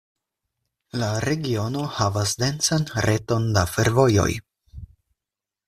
La regiono havas densan reton da fervojoj.